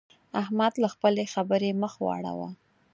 احمد له خپلې خبرې مخ واړاوو.